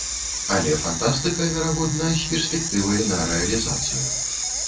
Але фантастыка, верагодна, з перспектывай на рэалізацыю.